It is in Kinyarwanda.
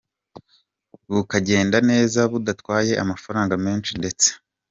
bukagenda neza budatwaye amafaranga menshi ndetse